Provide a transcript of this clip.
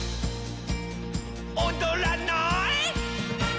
「おどらない？」